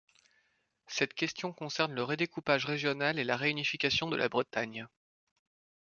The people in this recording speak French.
Cette question concerne le redécoupage régional et la réunification de la Bretagne.